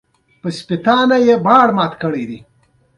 او د افغانستان د واک اختيار له افغان ملت څخه دی.